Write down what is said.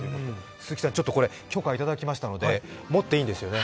鈴木さん、許可をいただきましたので持っていいんですよね。